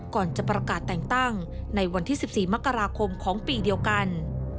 ก่อนจะประกาศแต่งตั้งในวันที่๑๔มกราคมของปีเดียวกัน